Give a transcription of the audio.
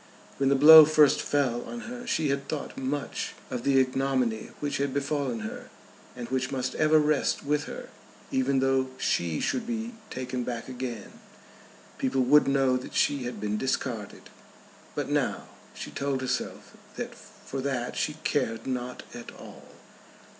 When the blow first fell on her she had thought much of the ignominy which had befallen her, and which must ever rest with her. Even though she should be taken back again, people would know that she had been discarded. But now she told herself that for that she cared not at all.